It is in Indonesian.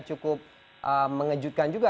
cukup mengejutkan juga